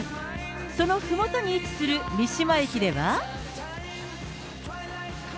そのふもとに位置する三島駅では。